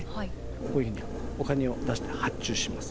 こういうふうにお金を出して発注します。